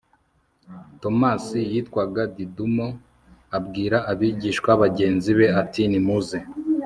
tomasi witwaga didumo abwira abigishwa bagenzi be ati nimuze